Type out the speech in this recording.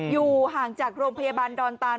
อยู่ห่างจากโรงพยาบาลดอนตาน